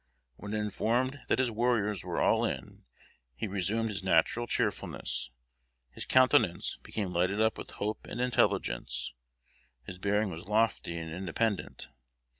When informed that his warriors were all in, he resumed his natural cheerfulness; his countenance became lighted up with hope and intelligence; his bearing was lofty and independent.